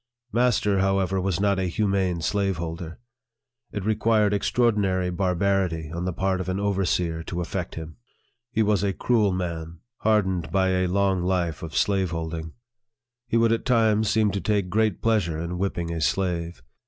Master, 'however, was not a humane slaveholder. It required extraordinary barbarity on the part of an overseer to affect him. He was a cruel 6 NARRATIVE OF THE man, hardened by a long life of slaveholding. He would at times seem to take great pleasure in whipping a slave.